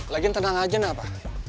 lagian tenang aja napa